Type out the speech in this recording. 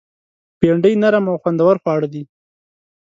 بېنډۍ نرم او خوندور خواړه دي